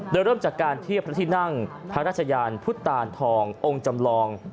โดยเริ่มจากการเทียบพระที่นั่งพระราชยานพุทธตานทององค์จำลอง